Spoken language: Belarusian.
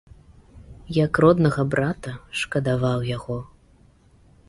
Як роднага брата, шкадаваў яго.